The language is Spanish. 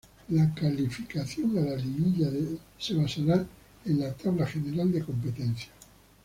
La calificación a la "Liguilla" se basará en la Tabla general de competencia.